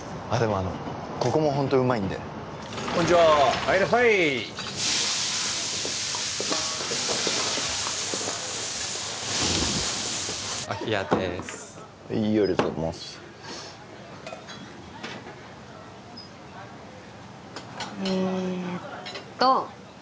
あのここもホントうまいんでこんちはー・はいいらっしゃい・お冷ですはいありがとうございますえーっと！